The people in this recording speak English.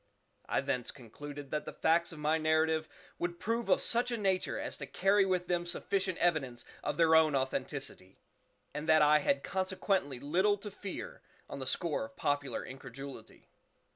I thence concluded that the facts of my narrative would prove of such a nature as to carry with them sufficient evidence of their own authenticity, and that I had consequently little to fear on the score of popular incredulity.